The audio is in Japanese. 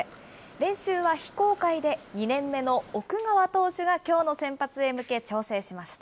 練習は非公開で、２年目の奥川投手がきょうの先発へ向け、調整しました。